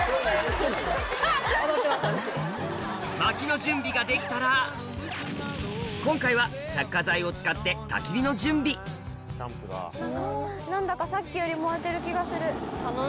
薪の準備ができたら今回は着火剤を使ってたき火の準備何だかさっきより燃えてる気がする。